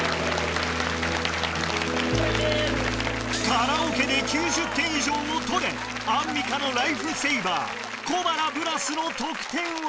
カラオケで９０点以上を取れアンミカのライフセイバー小原ブラスの得点は？